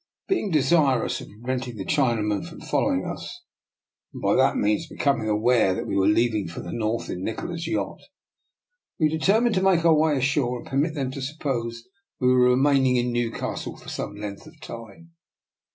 Being desirous of preventing the Chinaman from following us and by that means becoming aware that we were leaving for the north in Nikola's yacht, we determined to make our way ashore and permit them to suppose that we were remain ing in Newcastle for some length of time.